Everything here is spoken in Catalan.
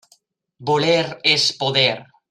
Voler és poder.